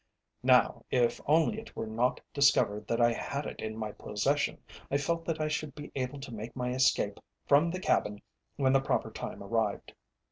Now, if only it were not discovered that I had it in my possession, I felt that I should be able to make my escape from the cabin when the proper time arrived.